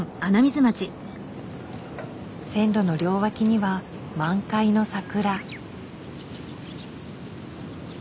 線路の両脇には満開の桜。